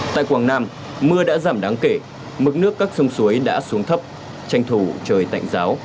tại quảng nam mưa đã giảm đáng kể mực nước các sông suối đã xuống thấp tranh thủ trời tạnh giáo